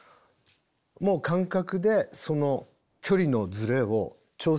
もう感覚でその距離のズレを調整します。